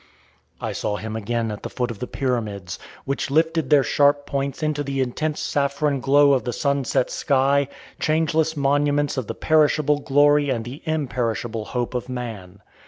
I saw him again at the foot of the pyramids, which lifted their sharp points into the intense saffron glow of the sunset sky, changeless monuments of the perishable glory and the imperishable hope of man.